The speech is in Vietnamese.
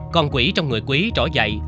còn quý trong người quý trỏ dậy